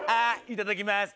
いただきます。